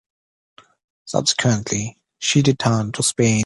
Subsequently she returned to Spain.